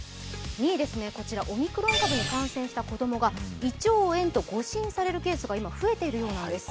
２位ですね、オミクロン株に感染した子供が胃腸炎と誤診されるケースが今、増えているようなんです。